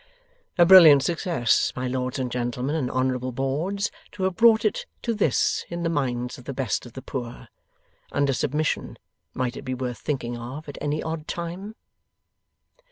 A brilliant success, my Lords and Gentlemen and Honourable Boards to have brought it to this in the minds of the best of the poor! Under submission, might it be worth thinking of at any odd time?